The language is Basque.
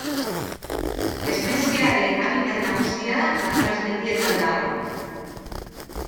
Espeziearen habitat nagusia Atlas mendietan dago.